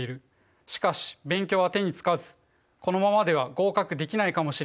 しかし勉強は手につかずこのままでは合格できないかもしれない。